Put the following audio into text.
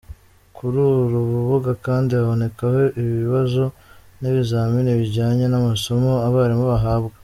Kuri uru rubuga kandi habonekaho ibibazo n’ibizamini bijyanye n’amasomo abarimu bahabwa.